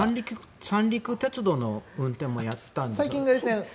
三陸鉄道の運転もやったんですよね。